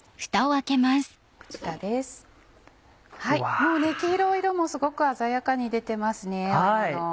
もうね黄色い色もすごく鮮やかに出てますね芋の。